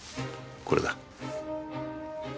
これだ。